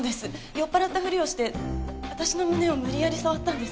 酔っ払ったふりをして私の胸を無理やり触ったんです